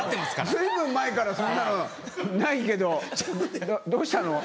随分前からそんなのないけどどうしたの？